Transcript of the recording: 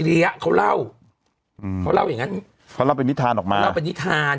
ริยะเขาเล่าอืมเขาเล่าอย่างงั้นเขาเล่าเป็นนิทานออกมาเล่าเป็นนิทาน